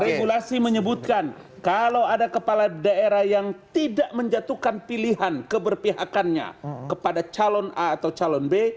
regulasi menyebutkan kalau ada kepala daerah yang tidak menjatuhkan pilihan keberpihakannya kepada calon a atau calon b